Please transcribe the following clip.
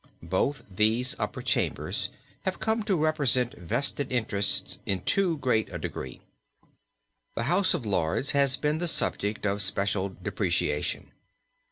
Both these upper chambers have come to represent vested interests to too great a degree. The House of Lords has been the subject of special deprecation.